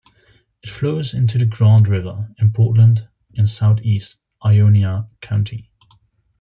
It flows into the Grand River in Portland in southeast Ionia County.